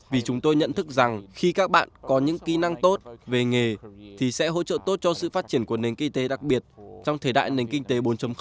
vì chúng tôi nhận thức rằng khi các bạn có những kỹ năng tốt về nghề thì sẽ hỗ trợ tốt cho sự phát triển của nền kinh tế đặc biệt trong thời đại nền kinh tế bốn